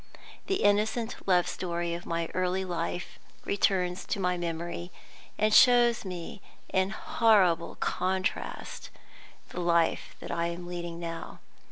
The innocent love story of my early life returns to my memory, and shows me in horrible contrast the life that I am leading now.